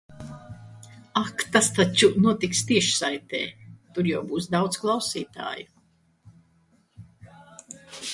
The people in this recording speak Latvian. Ak! Tas taču notiks tiešsaitē. Tur jau būs daudz klausītāju.